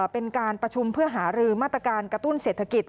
เป็นการประชุมเพื่อหารือมาตรการกระตุ้นเศรษฐกิจ